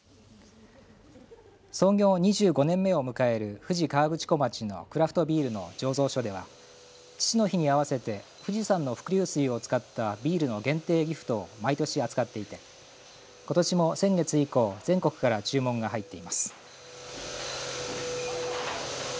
創業２５年目を迎える富士河口湖町のクラフトビールの醸造所では父の日に合わせて富士山の伏流水を使ったビールの限定ギフトを毎年、扱っていてことしも先月以降全国から注文が入っています。